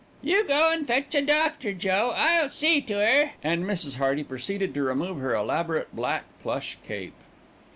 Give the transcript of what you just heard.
"You go an' fetch a doctor, Joe. I'll see to 'er," and Mrs. Hearty proceeded to remove her elaborate black plush cape.